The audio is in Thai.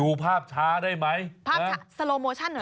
ภาพช้าได้ไหมภาพสโลโมชั่นเหรอ